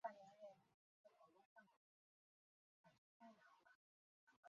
布里奇曼对科学方法及科学哲学的一些观点有相当广泛的着述。